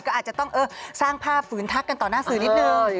ก็อาจจะต้องสร้างภาพฝืนทักกันต่อหน้าสื่อนิดนึง